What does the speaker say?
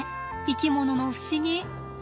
生き物の不思議。